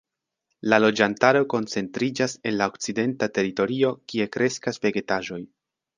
La loĝantaro koncentriĝas en la okcidenta teritorio kie kreskas vegetaĵoj.